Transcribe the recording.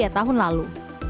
tiga tahun lalu